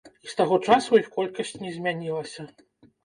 І з таго часу іх колькасць не змянілася?